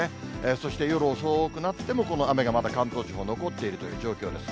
そして、夜遅くなっても、この雨がまた関東地方残っているという状況です。